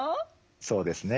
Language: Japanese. そうですね。